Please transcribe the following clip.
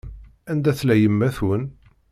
Anda tella yemma-twen?